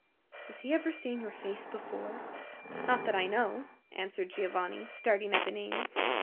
"Has he ever seen your face before?" "Not that I know," answered Giovanni, starting at the name.